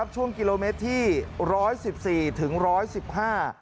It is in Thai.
ช่วงกิโลเมตรที่ร้อยสิบสี่ถึงร้อยสิบห้า